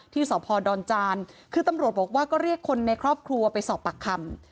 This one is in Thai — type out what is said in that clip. ที่สพดอนจานคือตำรวจบอกว่าก็เรียกคนในครอบครัวไปสอบปากคำ